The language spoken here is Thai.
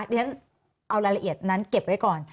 ด้วยฉะนั้นเอารายละเอียดนั้นเก็บไว้ก่อน